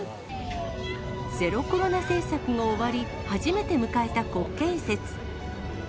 ゼロコロナ政策も終わり、初めて迎えた国慶節。